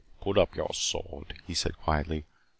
"Put up your sword," he said quietly.